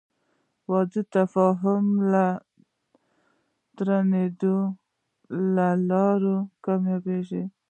• واده د تفاهم او درناوي له لارې کامیابېږي.